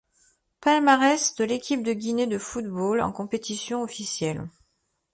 Palmarès de l’équipe de Guinée de football en compétitions officielles.